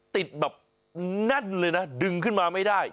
ติดแบบแน่นเลยนะดึงขึ้นมาไม่ได้